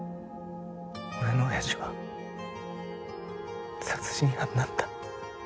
俺の親父は殺人犯なんだ。